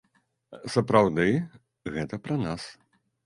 Сапраўды, гэта пра нас.